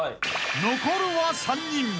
［残るは３人。